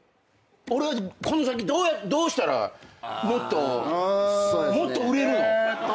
俺はこの先どうしたらもっと売れるの？